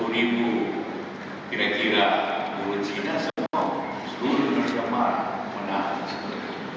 dua puluh ribu kira kira guru china semua seluruh indonesia marah menang